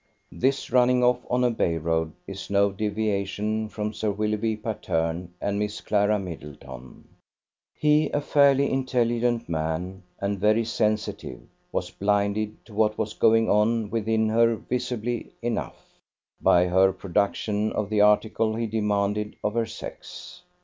This running off on a by road is no deviation from Sir Willoughby Patterne and Miss Clara Middleton. He, a fairly intelligent man, and very sensitive, was blinded to what was going on within her visibly enough, by her production of the article he demanded of her sex.